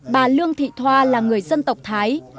bà lương thị thoa là người dân tộc thái